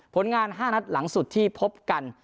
ผลงาน๕นัดหลังสุดที่พบกัน